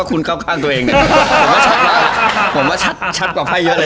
คุณเข้าข้างตัวเองเนี่ยผมว่าชัดมากผมว่าชัดชัดกว่าไพ่เยอะเลย